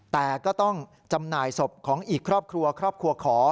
แต่ก็ต้องจำหน่ายศพของอีกครอบครัวครอบครัวขอ